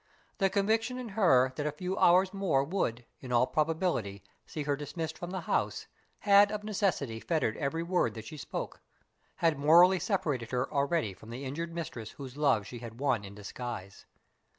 The conviction in her that a few hours more would, in all probability, see her dismissed from the house, had of necessity fettered every word that she spoke had morally separated her already from the injured mistress whose love she had won in disguise.